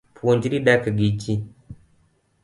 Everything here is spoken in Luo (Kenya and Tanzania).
Puonjri dak gi jii